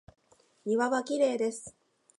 庭はきれいです。